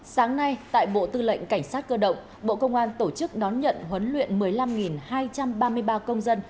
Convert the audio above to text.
sáng nay tại bộ tư lệnh cảnh sát cơ động bộ công an tổ chức đón nhận huấn luyện một mươi năm hai trăm ba mươi ba công dân